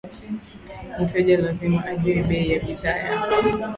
Mteja lazima ajue bei ya bidhaa yako